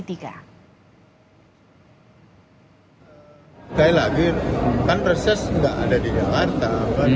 sekali lagi kan reses nggak ada di jakarta